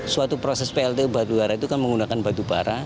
suatu proses pltu batubara itu kan menggunakan batubara